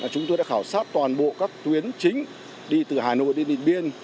chúng tôi đã khảo sát toàn bộ các tuyến chính đi từ hà nội đến điện biên